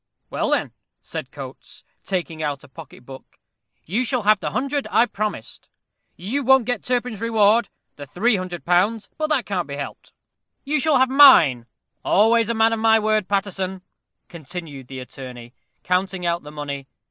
"Well, then," said Coates, taking out a pocket book, "you shall have the hundred I promised. You won't get Turpin's reward, the three hundred pounds; but that can't be helped. You shall have mine always a man of my word, Paterson," continued the attorney, counting out the money.